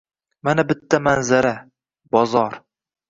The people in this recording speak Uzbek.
Mana bitta manzara – bozor.